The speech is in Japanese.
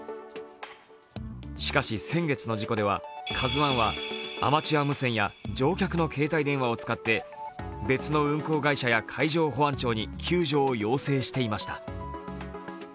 しかし、先月の事故では「ＫＡＺＵⅠ」はアマチュア無線や乗客の携帯電話を使って別の運航会社や海上保安庁に救助を要請していました。